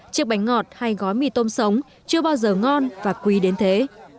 chiếc bánh ngọt hay gói mì tôm sống chưa bao giờ ngon và quý đến thế